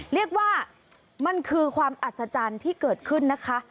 เรียกว่ามันคือความอัศจรรย์ที่เกิดขึ้นนะคะ